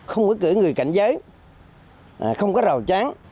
không có cửa người cảnh giới không có rầu tráng